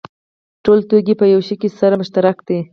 ټول توکي په یوه شي کې سره مشترک دي